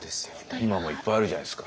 今もいっぱいあるじゃないですか。